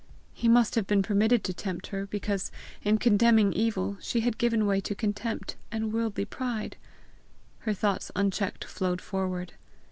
he must have been permitted to tempt her, because, in condemning evil, she had given way to contempt and worldly pride. Her thoughts unchecked flowed forward.